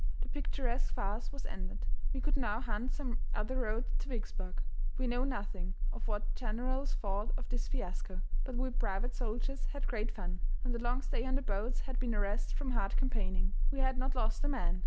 The picturesque farce was ended. We could now hunt some other road to Vicksburg. We know nothing of what the generals thought of this fiasco, but we private soldiers had great fun, and the long stay on the boats had been a rest from hard campaigning. We had not lost a man.